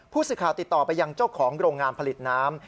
ผู้สื่อข่าวติดต่อไปยังเจ้าของโรงงานผลิตน้ำ